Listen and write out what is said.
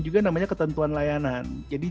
juga namanya ketentuan layanan jadi